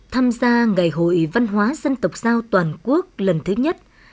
tham gia ngày hội văn hóa dân tộc giao toàn quốc lần thứ nhất